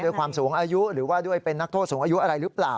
ความสูงอายุหรือว่าด้วยเป็นนักโทษสูงอายุอะไรหรือเปล่า